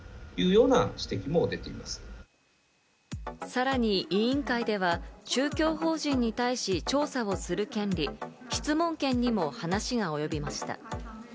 さらに委員会では宗教法人に対し調査をする権利、質問権にも話が及びました。